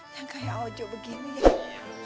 yang kayak ojo begini ya